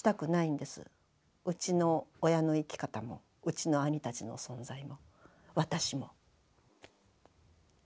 うちの親の生き方もうちの兄たちの存在も私も。